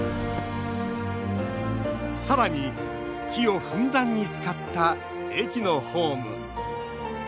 さらに、木をふんだんに使った駅のホーム。